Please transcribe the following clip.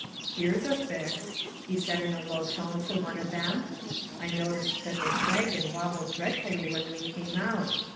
" Here's a fix !" he said in a low tone to one of them ;" I noticed that this wagon wobbled dreadfully when we came out.